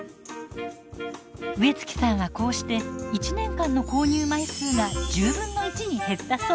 植月さんはこうして１年間の購入枚数が１０分の１に減ったそう。